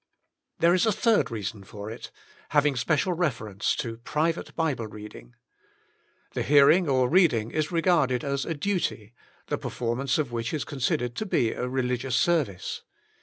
There is a third reason for it, having special reference to private Bible reading. The hearing or reading is regarded as a duty, the performance of which is considered to be a religious service.